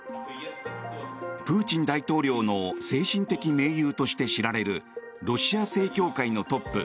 プーチン大統領の精神的盟友として知られるロシア正教会のトップ